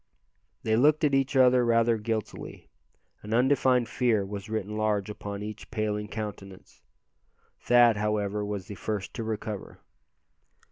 They looked at each other rather guiltily. An undefined fear was written large upon each paling countenance. Thad, however, was the first to recover.